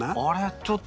ちょっと。